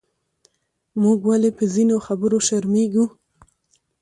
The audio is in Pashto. موږ ولې پۀ ځینو خبرو شرمېږو؟